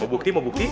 mau bukti mau bukti